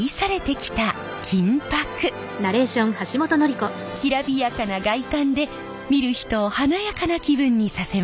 きらびやかな外観で見る人を華やかな気分にさせます。